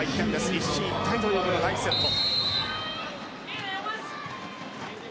一進一退の第１セット。